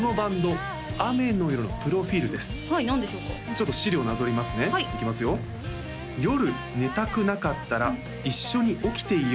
ちょっと資料なぞりますねいきますよだそうです